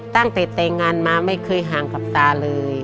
ตั้งแต่แต่งงานมาไม่เคยห่างกับตาเลย